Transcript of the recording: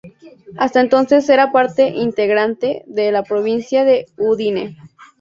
Hasta entonces era parte integrante de la provincia de Udine.